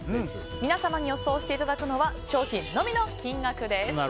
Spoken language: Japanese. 皆様に予想していただくのは商品のみの金額です。